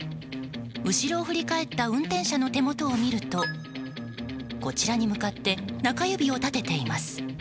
後ろを振り返った運転者の手元を見るとこちらに向かって中指を立てています。